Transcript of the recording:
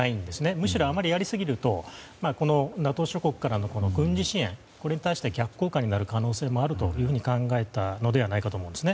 むしろ、あまりやり過ぎるとＮＡＴＯ諸国からの軍事支援に対して逆効果になる可能性があると考えたのではないかと思います。